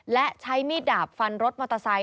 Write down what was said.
และใช้มีดดาบฟันรถมอเตอร์ไซค